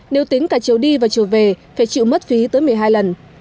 nếu tính cả chiều đi và chiều về phải chịu mất phí tới một mươi hai lần